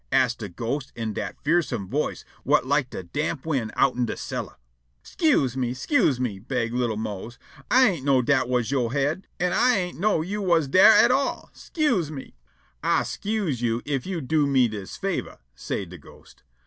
ask' de ghost in dat fearsome voice whut like de damp wind outen de cellar. "'Scuse me! 'Scuse me!" beg' li'l' Mose. "Ah ain't know dat was yo' head, an' I ain't know you was dar at all. 'Scuse me!" "Ah 'scuse you ef you do me dis favor," say' de ghost.